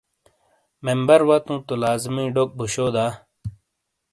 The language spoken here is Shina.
ممبرواتُوں تو لازمی ڈوک بو، شو دا؟